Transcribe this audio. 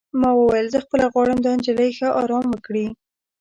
ما وویل: زه خپله غواړم دا نجلۍ ښه ارام وکړي.